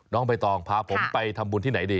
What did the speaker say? น้องใบตองพาผมไปทำบุญที่ไหนดี